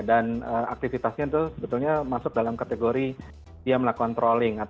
dan aktivitasnya itu sebetulnya masuk dalam kategori yang melakukan trolling